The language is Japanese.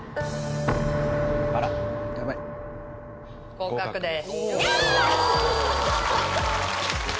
合格です